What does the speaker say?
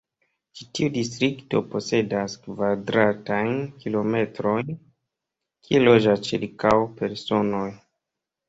Ĉi tiu distrikto posedas kvadratajn kilometrojn, kie loĝas ĉirkaŭ personoj.